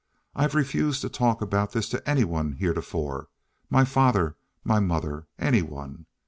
I've refused to talk about this to any one heretofore—my father, my mother, any one.